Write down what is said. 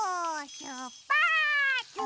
しゅっぱつ！